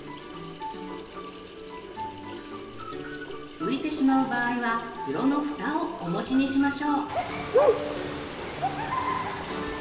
浮いてしまう場合は風呂のふたをおもしにしましょう。